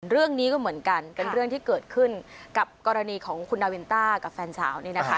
เรื่องนี้ก็เหมือนกันเป็นเรื่องที่เกิดขึ้นกับกรณีของคุณนาวินต้ากับแฟนสาวนี่นะคะ